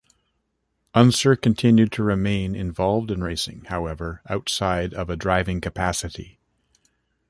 Unser continued to remain involved in racing, however, outside of a driving capacity.